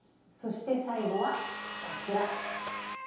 そして最後はこちら。